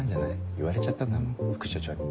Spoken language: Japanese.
言われちゃったんだもん副署長に。